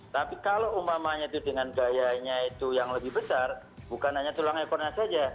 tapi kalau umpamanya itu dengan gayanya itu yang lebih besar bukan hanya tulang ekornya saja